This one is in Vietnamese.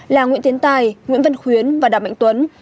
là nguyễn tiến tài nguyễn văn khuyến và đàm mạnh tuấn